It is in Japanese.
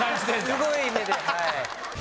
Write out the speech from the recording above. すごい目ではい。